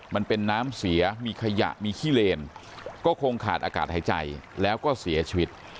มันเป็นน้ำเสียมีขยะมีขี้เลนก็คงขาดอากาศหายใจแล้วก็เสียชีวิต